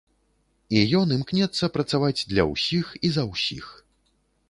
І ён імкнецца працаваць для ўсіх і за ўсіх.